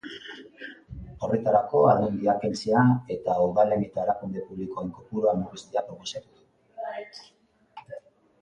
Horretarako, aldundiak kentzea eta udalen eta erakunde publikoen kopurua murriztea proposatu du.